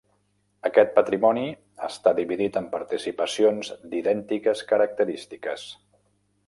Aquest patrimoni està dividit en participacions d'idèntiques característiques.